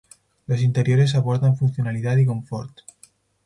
Los interiores aportan funcionalidad y confort.